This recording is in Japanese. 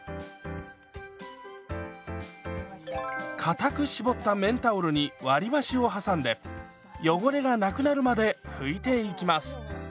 かたく絞った綿タオルに割り箸を挟んで汚れがなくなるまで拭いていきます。